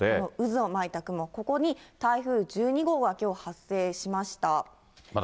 渦を巻いた雲、ここに台風１２号がきょう発生しました。